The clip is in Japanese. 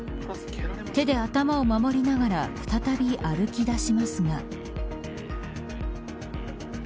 手で頭を守りながら再び歩きだしますが。